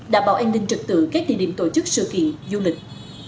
đảm bảo an ninh trực tự các địa điểm tổ chức sự kiện du lịch